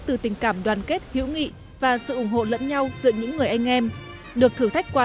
từ tình cảm đoàn kết hữu nghị và sự ủng hộ lẫn nhau giữa những người anh em được thử thách qua